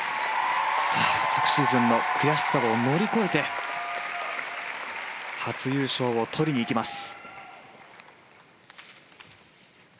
昨シーズンの悔しさを乗り越えて初優勝をとりにいきます。